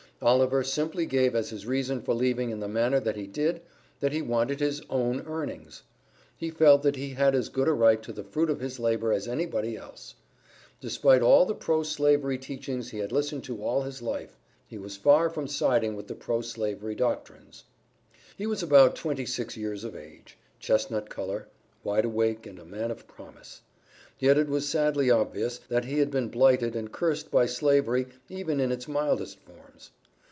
Oliver simply gave as his reason for leaving in the manner that he did, that he wanted his "own earnings." He felt that he had as good a right to the fruit of his labor as anybody else. Despite all the pro slavery teachings he had listened to all his life, he was far from siding with the pro slavery doctrines. He was about twenty six years of age, chestnut color, wide awake and a man of promise; yet it was sadly obvious that he had been blighted and cursed by slavery even in its mildest forms.